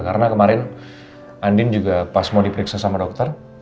karena kemarin andin juga pas mau diperiksa sama dokter